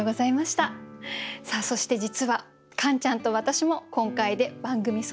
さあそして実はカンちゃんと私も今回で番組卒業なんです。